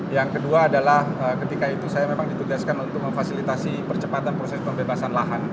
yang kedua adalah ketika itu saya memang ditugaskan untuk memfasilitasi percepatan proses pembebasan lahan